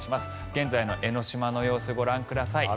現在の江の島の様子ご覧ください。